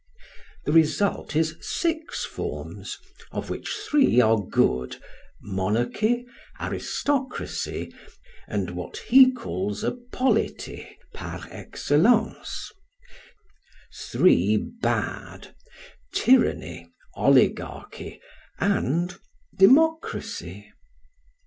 The result is six forms, of which three are good, monarchy, aristocracy, and what he calls a "polity" par excellence; three bad, tyranny, oligarchy, and democracy.